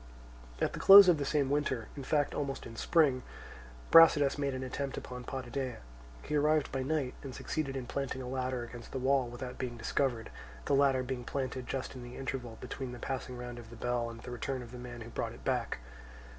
At the close of the same winter, in fact almost in spring, Brasidas made an attempt upon Potidæa. He arrived by night, and succeeded in planting a ladder against the wall without being discovered, the ladder being planted just in the interval between the passing round of the bell and the return of the man who brought it back.